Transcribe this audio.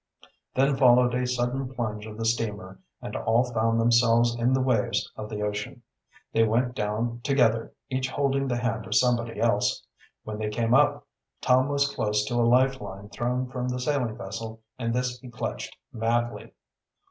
Then followed a sudden plunge of the steamer and all found themselves in the waves of the ocean. They went down together, each holding the hand of somebody else. When they came up, Tom was close to a life line thrown from the sailing vessel and this he clutched madly.